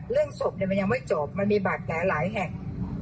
เรื่องศพมันยังไม่จบมันมีบาดแหละหลายแห่ง